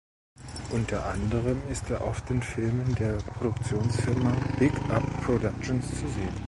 Unter anderem ist er oft in Filmen der Produktionsfirma "Big Up Productions" zu sehen.